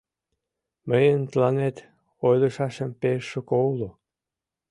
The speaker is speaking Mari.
Мыйын тыланет ойлышашем пеш шуко уло.